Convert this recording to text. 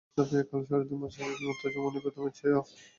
সেই রোমাঞ্চ ছাপিয়ে কাল সারা দিন মাশরাফি বিন মুর্তজার মনে বেদনার ছায়া।